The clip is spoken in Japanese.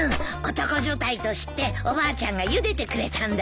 男所帯と知っておばあちゃんがゆでてくれたんだよ。